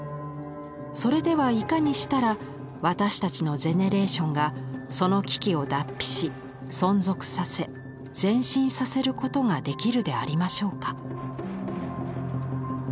それではいかにしたら私たちのゼネレーションがその危機を脱皮し存続させ前進させることができるでありましょうか」。